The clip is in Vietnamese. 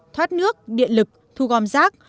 thoát nước điện lực thu gom rác